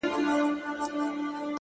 زړه راته زخم کړه ـ زارۍ کومه ـ